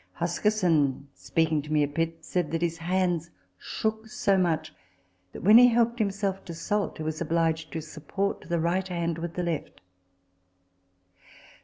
Huskisson, speaking to me of Pitt, said that his hands shook so much that, when he helped himself to salt, he was obliged to support the right hand with the left.